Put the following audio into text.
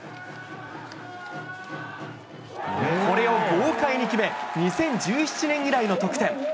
これを豪快に決め、２０１７年以来の得点。